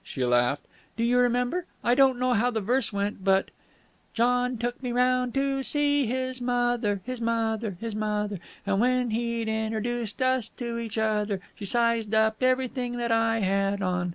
She laughed. "Do you remember? I don't know how the verse went, but ... John took me round to see his mother, his mother, his mother! And when he'd introduced us to each other, She sized up everything that I had on.